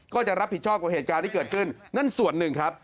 ก็จะรับผิดชอบกับเหตุการณ์ที่เกิดขึ้นนั่นส่วนหนึ่งครับ